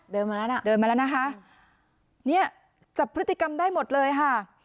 มาแล้วนะเดินมาแล้วนะคะเนี่ยจับพฤติกรรมได้หมดเลยค่ะ